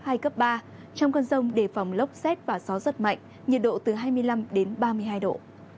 trong cơn rông đề phòng lốc xét và gió rất mạnh nhiệt độ từ hai mươi năm đến ba mươi hai độ